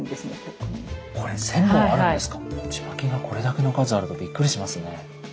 ちまきがこれだけの数あるとびっくりしますね。